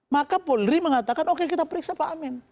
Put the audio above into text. maka polri mengatakan oke kita periksa pak amin